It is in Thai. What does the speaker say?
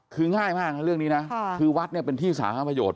คือง่ายมากเรื่องนี้นะคือวัดเนี่ยเป็นที่สาธารณประโยชน